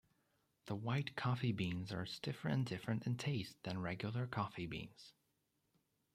The white coffee beans are stiffer and different in taste than regular coffee beans.